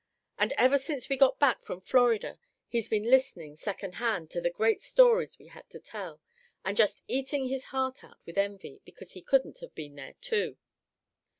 And ever since we got back from Florida he's been listening, second hand, to the great stories we had to tell, and just eating his heart out with envy because he couldn't have been there too."